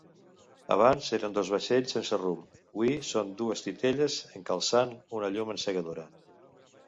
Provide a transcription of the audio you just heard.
Abans eren dos vaixells sense rumb, hui són dues titelles encalçant una llum encegadora.